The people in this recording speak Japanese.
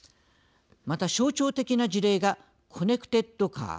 また、象徴的な事例がコネクテッドカー。